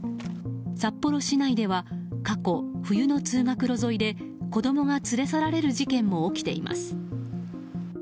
札幌市内では過去、冬の通学路沿いで子供が連れ去られる事件も起きています。